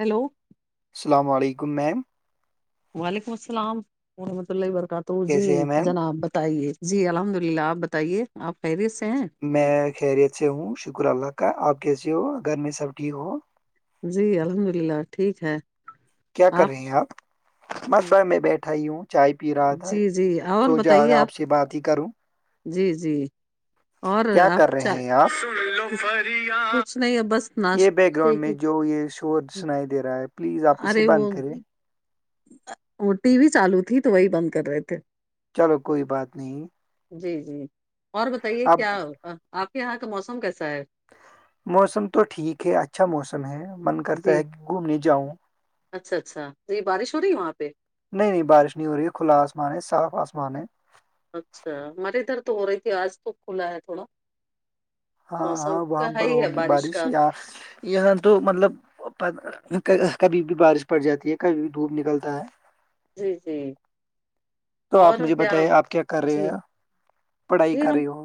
Hello السلام علیکم ma'am وعلیکم السلام ورحمت اللہ وبرکاتہ جی کیسے ہیں میم جناب بتائیے جی الحمد للہ آپ بتائیے آپ خیریت سے ہیں میں خیریت سے ہوں شکر اللہ کا آپ کیسے ہو گھر میں سب ٹھیک ہو جی الحمد للہ ٹھیک ہے کیا کر رہے ہیں آپ متبہ میں بیٹھا ہی ہوں چائے پی رہا تھا جی جی اور سو جا بتائیے آپ سے بات ہی کروں جی جی اور کیا آپ کر رہے چاہ ہیں آپ کچھ نہیں ہے بس یہ بیک ناشتے گراؤنڈ میں کی جو یہ شور سنائی دے رہا ہے پلیز آپ اسے بند کرے اور ٹی وی چالو تھی تو وہی بند کر رہے تھے چلو کوئی بات نہیں جی جی اور بتائیے اب کیا آپ کے یہاں کا موسم کیسا ہے موسم تو ٹھیک ہے اھا اچھا موسم ہے من جی کرتا ہے کہ گھومنے جاؤں اچھا اچھا جی بارش ہو رہی ہے وہاں پہ نہیں نہیں بارش نہیں ہو رہی ہے کھلا آسمان ہے صاف آسمان ہے اچھا ہمارے ادھر تو ہو رہی تھی آج تو کھلا ہے تھوڑا ہاں موسم ہاں تو وہاں ہے پر ہی ہے ہوگی بارش کا یا یہاں تو مطلب کبھی بھی بارش پڑ جاتی ہے کبھی بھی دھوپ نکلتا ہے جی جی تو آپ اور مجھے کیا بتائیے آپ کیا کر رہے جی ہیں پڑھائی جی کر ہم رہی ہو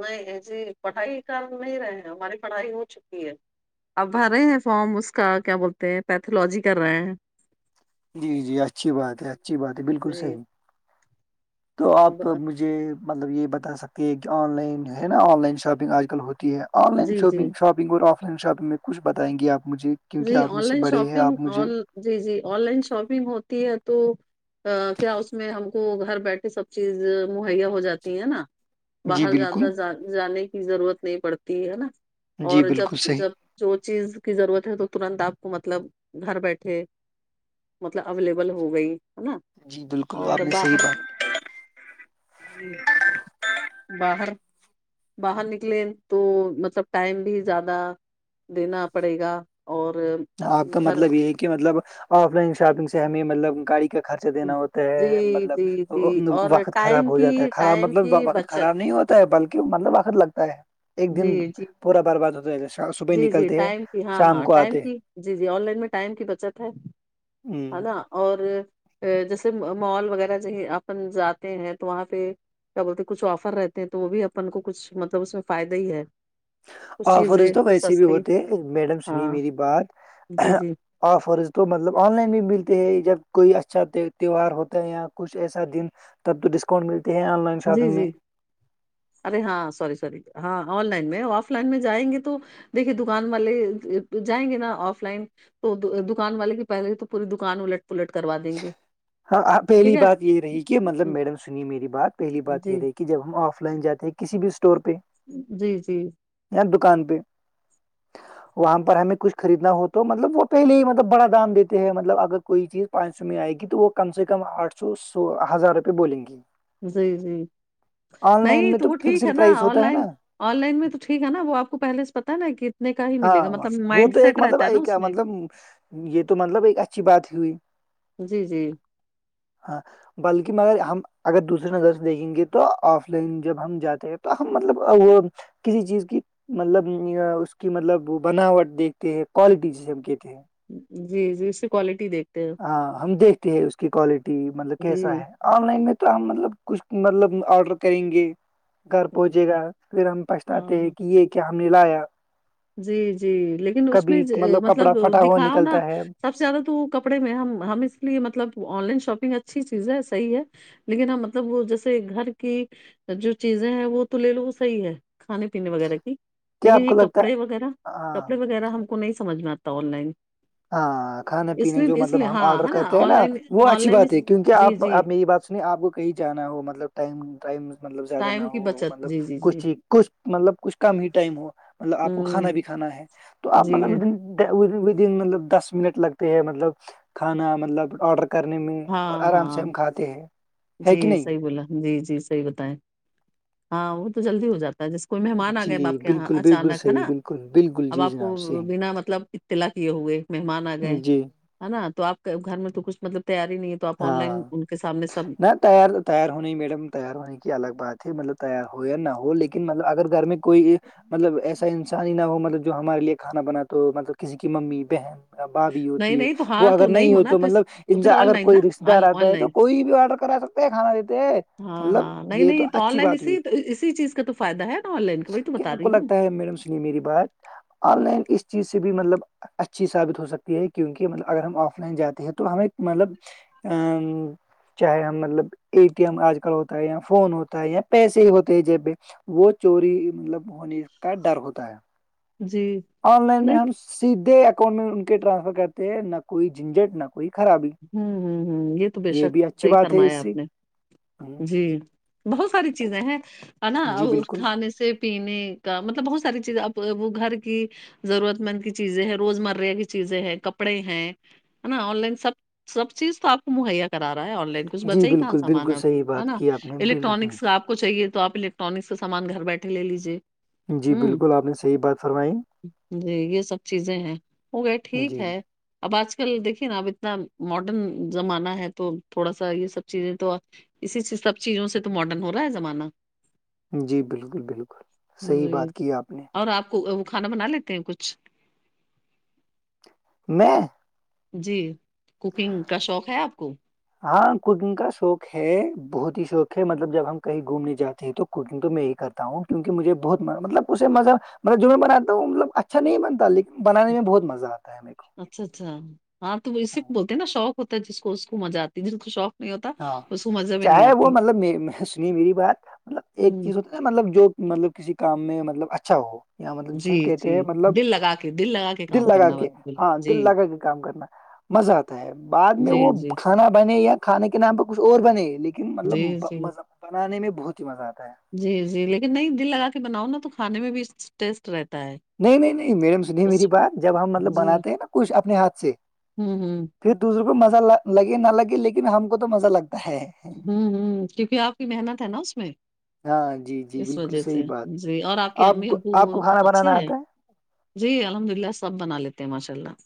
نہیں جی پڑھائی کر نہیں رہے ہماری پڑھائی ہو چکی ہے اب بھر رہے ہیں فارم اس کا کیا بولتے ہیں پیتھولوجی کر رہے ہیں جی جی اچھی بات ہے اچھی بات ہے بالکل جی صحیح تو آپ ب- مجھے مطلب یہ بتا سکتے ہیں کہ آن لائن جو ہے نا آن لائن شاپنگ آج کل ہوتی ہے آن لائن جی جی شاپنگ شاپنگ اور آف لائن شاپنگ میں کچھتائیں گےپجھے جی آن لائن شاپنگ آ جی جی آن لائن شاپنگ ہوتی ہے تو کیا اس میں ہم کو گھر بیٹھے سب چیز مہیا ہو جاتی ہے نا جی باہر بالکل جدا جانے کی ضرورت نہیں پڑتی ہے نا جی اور جب بالکل صحیح جب جو چیز کی ضرورت ہے تو ترنت آپ کو مطلب گھر بیٹھے مطلب اویلیبل ہو گئی ہے نا جی بالکل اور آپ نے صحیح باہر بات باہر باہر نکلیں تو مطلب ٹائم بھی زیادہ دینا پڑے گا اور آپ کا گھر مطلب یہ ہے کہ مطلب آف لائن شاپنگ سے ہمیں مطلب گاڑی خرچ دینا ہوتا جی ہے جی جی مطلب اور وقت خراب ٹائم ہو کی جاتا ہے خراب ٹائم مطلب کی وقت بچت خراب نہیں ہوتا ہے بلکہ مطلب وقت لگتا ہے ایک جی دن جی پورا برباد ہوتا ہے جیسے صبح جی جی نکلتے ہیں ٹائم کی ہاں شام ہاں کو ٹائم آتے کی جی جی آن لائن میں ٹائم کی بچت ہے ہ نا اور جیسے مال وغیرہ اپن جاتے ہیں تو وہاں پہ کیا بولتے کچھ آفر رہتے ہیں تو وہ بھی اپن کو کچھ مطلب اس میں فائدہ ہی ہے کچھ چیزیں آفرز تو کیسے بھی سستی ہوتے میڈم سنی ہاں میری بات جی جی آفرز تو مطلب آن لائن بھی ملتے ہیں جب کوئی اچھا تہوار ہوتا ہے یا کچھ ایسا دن تب تو ڈسکؤنٹ ملتے ہیں آن لائن جی شاپنگ میں جی ارے ہاں سوری سوری ہاں آن لائن میں آف لائن میں جائیں گے تو دیکھیے دکان والے جائیں گے نا آف لائن تو دکان والے کی پہلے ہی تو پوری دکان الٹ پلٹ کروا دیں گے ہاں ٹھیک پہلی ہے بات یہ رہی کہ مطلب میڈم سنی میری بات پہلی بات یہ جی رہی کہ کہ جب ہم آف لائن جاتے ہیں کسی بھی اسٹور پہ جی جی یا دکان پہ جی وہاں پر ہمیں کچھ خریدنا ہو تو مطلب وہ پہلے ہی مطلب بڑا دام دیتے ہیں مطلب اگر کوئی چیز پانچ سو میں آئے گی تو وہ کم سے کم آٹھ سو سو ہزار روپے بولیں گی جی جی آن لائن نہیں میں تو ٹھیک ہے فکسڈ نا پرائز آن ہوتا ہے نا لائن آن لائن میں تو ٹھیک ہے نا وہ آپ کو پہلے سے پتا ہے نا کہ اتنے کا ہی ملے گا ہاںاں مطلب وہ مائنڈ تو ایک سیٹ مطلب رہتا ہے نا ایک اس میں مطلب یہ تو مطلب ایک اچھی بات ہی ہوئی جی جی ہاں بلکہ میں اگر ہم اگر دوسریے نظر سے دیکھیں گے تو آف لائن جب ہم جاتے ہیں تو ہم مطلب وہ کسی چیز کی مطلب اس کہ مطلب وہ بناوٹ دیکھتے ہیں کوالٹی جسے ہم کہتے ہیں جی جی اس کی کوالٹی دیکھ ہاں ہم دیکھتے ہیں اس کی کوالٹی مطلب کیسا جی ہے آن لائن میں تو ہم مطلب کچھ مطلب آرڈر کریں گے گھر پہنچے گا پھر ہم پچھتاتے ہیں ہاں کہ یہ کیا ہم نے لایا جی جی لیکن اس میں کبھی کپڑا مطلب پھٹا ہوا دکھاؤ نا نکلتا ہے سب سے زیادہ تو وہ کپڑے میں ہم ہم اس لیے مطلب آن لائن شاپنگ اچھی چیز ہے صحیح ہے لیکن ہاں مطلب وہ جیسے گھر کی جو چیزیں ہیں وہ تو لے لو صحیح ہے کھانے پینے وغیرہ کی کیا لیکن آپ یہ کو ک لگتا وغیرہ ہے ہاں کپڑے وغیرہ ہم کو نہیں سمجھ میں آتا آن لائن ہاں کھانا اس پیا جو لیے اس مطلب لیے ہم ہاں آرڈر ہے کرتے ہیں آن نا لائن وہ آن اچھی لائن بات اس- ہے کیونکہ جی آپ جی آپ نے یہ بات اس نے آپ کو کہیں جانا ہو مطلب ٹائم ٹائم مطلب زیادہ نہ ٹائم کی ہو بچت مطلب جی جی جی کچھ کچھ مطلب کچھ کم ہی ٹائم ہو مطلب آپ کو ہوں کھانا بھی کھانا ہے تو آپ جی مطلب ودن مطلب دس منٹ لگتے ہیں مطلب کھانا مطلب آرڈر کر کرنے میں اور ہاں آرام سے ہاں ہم کھاتے ہیں ہے جی کہ نہیں صحیح بولا جی جی صحیح بتائیں ہاں وہ تو جلدی ہو جاتا جس کو مہمان آ گئے اب جی آپ کے یہاں بالکل بالکل اچانک ہے صحیح نا بالکل بالکل اب جی آپ کو جناب صحیح بنا مطلب تلا کیے ہوئے مہمان آ گئے جی ہے نا تو آپ گھر میں تو کچھ مطلب تیاری نہیں تو آپ آن ہاں لائن ان کے سامنے سب نہ تیار تیار ہونے ہی میڈم تیار ہونے کی الگ بات ہے مطلب تیار ہو یا نہ ہو لیکن مطلب اگر گھر میں کوئی مطلب ایسا انسان ہی نہ ہو مطلب جو ہمارے لیے کھانا بناتے ہو مطلب کسی کی ممی بہن باب بھی نہیں ہوتی ہے نہیں تو وہ ہاں تو اگر نہیں ہو ہونا تو اس مطلب تو ان پھر اگر لائن نا کوئی رشتے دار آن آتا ہے تو لائن کوئی بھی آرڈر کرا سکتا ہے کھانا دیتے ہاں مطلب ہاں نہیں یہ تو نہیں آن اچھی لائن بات ہوئی اسی تو اسی چیز کا تو فائدہ ہے نا آن لائن کا بھی تو بتا رہی ہوں نہیں میری بات آن لائن اس چیز سے بھی مطلب اچھی ثابت ہو سکتی ہے کیونکہ مطلب اگر ہم آف لائن جاتے ہیں تو ہمیں مطلب ا چاہے ہم مطلب اے ٹی ایم آج کل ہوتا ہے یا فون ہوتا ہے یا پیسے ہی ہوتے ہیں جب پہ وہ چوری مطلب ہونے کا ڈر ہوتا ہے جی آن لائن میں نہیں ہم سیدھے اکاؤنٹ میں ان کے ٹرانسفر کرتے ہیں نہ کوئی جھنجٹ نہ کوئی خرابی ہوں ہوں ہوں یہ تو بے شک بھی اچھی صحیح بات ہے فرمایا اس سے آپ نے ہوں، جی بہت ساری چیزیں ہیں ہے نا جی اس بالکل کھانے سے پینے کا مطلب بہت ساری چیز ا وہ گھر کی ضرورت مند کی چیزیں ہیں روزمرہ کی چیزیں ہیں کپڑے ہیں نا آن لائن سب سب چیز تو آپ کو مہیا کرا رہا ہے آن لائن کچھ جی بچے ہی کہاں بالکل سامان بالکل اب صحیح ہے بات نا کی آپ نے بل ہوں، الیکٹرانکس کا آپ کو چاہیے تو آپ الیکٹرانکس کا سامان گھر بیٹھے لیجیے جی ہوں بالکل آپ نے صحیح بات فرمائی جی یہ سب چیزیں ہیں ہو گئے ٹھیک جی ہے اب آج کل دیکھیے نا اب اتنا ماڈرن زمانہ ہے تو تھوڑا سا یہ سب چیزیں تو اسی سب چیزوں سے تو ماڈرن ہو رہا ہے زمانہ جی بالکل بالکل صحیح جی بات کی آپ نے اور آپ وہ کھانا بنا لیتے ہیں کچھ میں جی کوکنگ کا شوق ہے آپ کو ہاں کوکنگ کا شوق ہے بہت ہی شوق ہے مطلب جب ہم کہیں گھومنے جاتے ہیں تو کوکنگ تو میں ہی کرتا ہوں کیونکہ مجھے بہت مطلب اس مذب مطل جو میں بنا ہوں مطلب اچھا نہیں بنتا لیکن بنان میں بہت مزہ آتا ہے میرے کو اچھا اچھا ہاں تو ویس ہاں، بولتے ہیں نا شوق ہوتا ہے جس کو اس کو مزہ آتی ہے جس کو شوق نہیں ہوتا ہاں اس کو مزہ میں نہیں چاہے وہ آتی مطلب سنی میری بات مطلب ایک ہوں چیز ہوتا مطلب جو مطلب کسی کام میں مطلب اچھا ہو اں مطلب س جی ہم جی کہتے ہیں مطلب دل لگا کے دل لگا کے دل کام لگا کرنا کے بس ہاں جی دل لگا کے کام کرنا مزہ آتا ہے بعد میں جی وہ جی کھانا بنے یا کھانے کے نام پ کچھ اور بنے لیکن ن جی مطلب جی مز بنانے میں بہت ہی مزہ آتا ہے جی جی لیکن نہیں دل لگا کے بناؤ نا تو کھانے میں بھی ٹیسٹ رہتا ہے نہیں نہیں نہیں میڈم سنی اس میری بات جب ہم مطلب جی بناتے ہیں نا کچھ اپنے ہاتھ سے ہوں ہوں پھر دوسروں کو مزہ لگے نہ لگے لیکن ہم کو تو مزہ لگتا ہے ہوں ہوں کیونکہ آپ کی محنت ہے نا اس میں ہاں جی جی اس بالکل وجہ صحیح سے بات جی اور آپ کے امی کو ابو آپ کو کھانا اچھے بنانا ہیں آتا جی الحمد للہ سب بنا لیتے ہیں ماشاء اللہ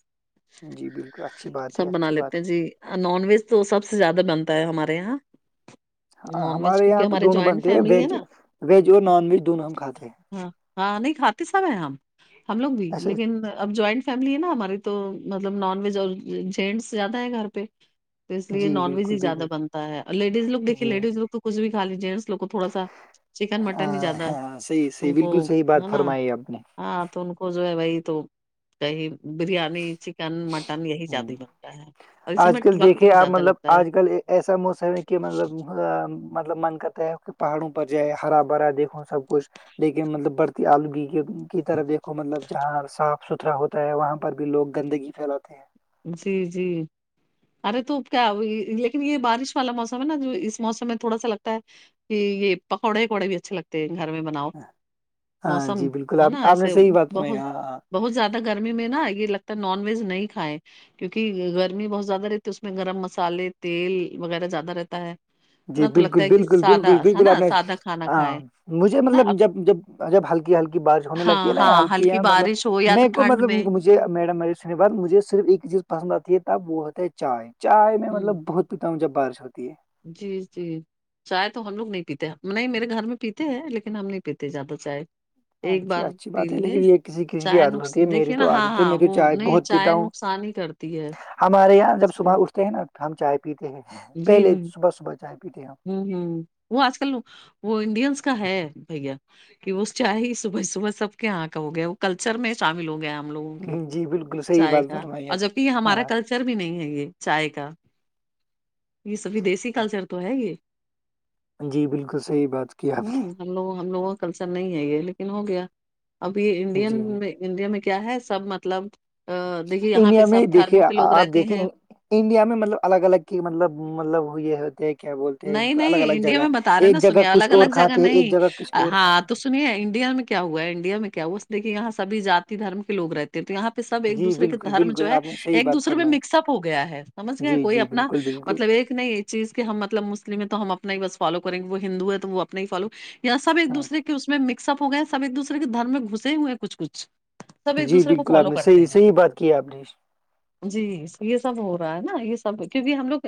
جی بالکل اچھی بات ہے سب بنا اچھی بات لیتے ہیں ہے جی نان ویج تو سب سے زیادہ بنتا ہے ہمارے یہاں ہاں نان ویج ہمارے کیونکہ یہاں تو ہماری دونوں جوائنٹ بنتے ہیں فیملی ہے ویج نا ویج اور نان ویج دونوں ہم کھاتے ہیں ہاں ہاں نہیں کھاتے سب ہیں ہم لوگ بھی اچھا لیکن اب جوائنٹ فیملی ہے نا ہماری تو مطلب نان ویج اور جینٹس زیادہ ہے گھر پہ تو اس لیے جی نان ویج بالکل ہی زیادہ بالکل بنتا اور لیڈیز لوگ جی لیڈیز لوگ تو کچھ بھی کھا لیتے ہیں ان لوگوں کو تھوڑا سا چکن مٹن ہی ہاں زیادہ ہاں صحیح ان کو بالکل صحیح بات ہے نا فرمائی آپ نے ہاں تو ان کو جو ہے وہی تو کہیں بریانی چکن مٹن یہی زیادہ ہوں ہی بنتا ہے اور اس آج میں کل وقت دیکھے بھی آپ زیادہ مطلب لگتا ہے آج کل ایسا موسم ہے کہ مطلب مطلب من کرتا ہے پہاڑوں پر جائے ہرا بھرا دیکھو سب کچھ لیکن مطلب بڑتی آلودگی کی طرف دیکھو مطلب جہاں صاف ستھرا ہوتا ہوتا ہے وہاں پر بھی لوگ گندگی پھیلاتے ہیں جی جی ارے تو کیا لیکن یہ بارش والا موسم ہے نا جو اس موسم میں تھوڑا سا لگتا ہے یہ پکوڑے وکوڑے بھی اچھے لگتے ہیں گھر میں بناؤ ہاں موسم جی بالکل ہے آپ نا آپ نے ایسے صحیح بات سنائی بہت ہاں ہاں بہت زیادہ گرمی میں نا یہ لگتا ہے نان ویج نہیں کھائے کیوںک گرمی بہت زیادہ رہتی ہے اس میں گرم مسالے تیل وغیرہ زیادہ رہتا ہے جی نا تو بالکل لگتا ہے کہ بالکل سادہ بالکل ہے بالکل آپ نا نے سادہ کھانا کھائے مجھے ہے نا مطلب اب جب جب جب ہلکی ہلکی بارش ہونے ہاں لگتی ہے نا ہاں ہلکی مطلب بارش ہو یا تو میرے کو ٹھنڈ مطلب میں مجھ میڈم سنے بات مجھے صرف ایک چیز پسند آتی ہے تب وہ ہوتا ہے چائے چائے میں ہوں مطلب بہت پتا ہو جب بارش ہوتی ہے جی جی چائے تو ہم لوگ نہیں پیتے نہیں میرے گھر میں پیتے ہیں لیکن ہم نہیں پیتے زیادہ چائے ایک اچھی بار اچھی پی بات ہے لیے لیکن یہ کسی کسی کی چائے عادت ہوتی نقصان ہے میری دیکھیے نا تو ہاں عادت ہے ہاں میں تو وہ چائے نہیں بہت چائے پیتا ہوں نقصان ہی کرتی ہے ہمارے یہاں جب چائے صبح اٹھتے ہیں نا ہم چائے پیتے ہیں پہلے جی صبح صبح چائے پیتے ہیں ہوں ہوں وہ آج کل وہ انڈینس کا ہے بھیا کہ وہ چاہ ہی صبح صبح سب کے یہاں کا ہو گیا وہ کلچر میں شامل ہو گیا ہم لوگوں کے جی بالکل صحیح چائے بات کا فرمائی اور آپ جبک یہ نے۔ ہمارا ہاں کلچر بھی نہیں ہے یہ چائے کا یہ سب ودیسیی کلچر تو ہے یہ جی بالکل صحیح بات کی آپ نے ہوں ہم لوگ ہم لوگوں کا کلچر نہیں ہے یہ لیکن ہو گیا اب یہ نے۔ انڈین جی میں انڈیا میں کیا ہے سب مطلب آ، دیکھیے یہاں انڈیا پہ میں سب دیکھے دھرموں کے لوگ آپ رہتے دیکھے ہیں انڈیا میں مطلب الگ الگ کی مطلب مطلب یہ ہوتے کیا بولتے ہیں ان نہیں کو الگ نہیں الگ انڈیا جگہ میں بتا رہے ہیں ایک نا جگہ سنیے کچھ الگ اور الگ جگہ کھاتے ہیں ایک نہیں جگہ کچھ آ، اور ہاں کھاتے ہیں تو انڈیا میں کیا ہوا انڈیا میں کیا ہوا دیکھے یہاں سبھی جاتتی دھرم کے لوگ رہتے ہیں تو یہاں پہ سب ہیں ایک جی دوسرے کے بالکل دھرم جو بالکل ہے آپ نے صحیح ایک بات دوسرے میں فرمائی مکس اپ ہو گیا ہے سمجھ گئے جی کوئی جی اپنا بالکل بالکل مطلب ایک نہیں یہ چیز کہ ہم مطلب مسلم ہے تو ہم اپنا ہی بس فالو کریں گے وہ ہندو ہے تو وہ اپنا ہی فالو یا سب ایک ہاں دوسرے کے اس میں مکس اپ ہو گئے ہیں سب ایک دوسرے کے دھرم میں گھسے ہوئے کچھ کچھ سب ایک جی دوسرے کو بالکل آپ فالو نے کرتے صحیح ہیں صحیح بات کی ہے آپ نے جی یہ سب ہو رہا ہے نا یہ سب کیونکہ ہم لوگ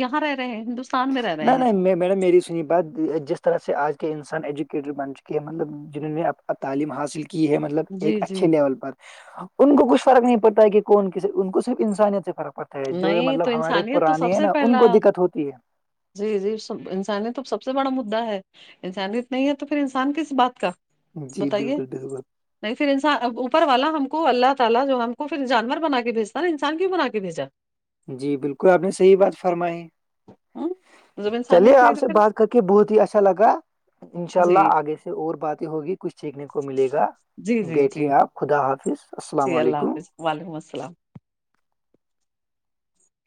یہاں رہ رہے ہیں ہندوستان میں رہ رہے نہیں ہیں نہیں میڈم میری سنی بات جس طرح سے آج کے انسان ایجوکیٹڈ بن چکی ہے مطلب جنہوں نے تعلیم حاصل کی ہے مطلب ایک جی جی اچھے لیول پر ان کو کچھ فرق نہیں پڑتا ہے کہ کون ان کو صرف انسانیت سے فرق پڑتا ہے ہے جو نہیں تو مطلب ہمارے انسانیت تو پرانے سب ہیں سے نا ان پہلا کو دقت ہوتی ہے جی جی انسانیت تو سب سے بڑا مدا ہے انسانیت نہیں ہے تو پھر انسان کس بات کا جی بتائیے بالکل بالکل نہیں پھر انس اوپر والا ہم کو اللہ تعالی جو ہم کو پھر جانور بنا کے بھیجتا ن انسان کیوں بنا کے بھیجا جی بالکل آپ نے صحیح بات فرمائی ہ چلیے آپ سے بات کر کے بہت ہی اچھا لگا انشاء جی اللہ آگے سے اور باتیں ہوگی کچھ سیکھنے کو ملے گا جی جی ٹے جی آپ خدا حافظ السلام جی اللہ علیکم حافظ وعلیکم السلام